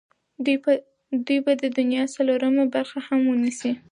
دوی به د دنیا څلورمه برخه هم ونیسي.